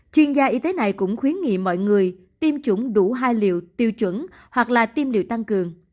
chuyên gia y tế này cũng khuyến nghị mọi người tiêm chủng đủ hai liệu tiêu chuẩn hoặc là tiêm liệu tăng cường